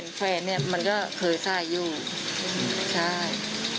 อันนี้แฟนแฟนมันก็เคยใส่อยู่ใช่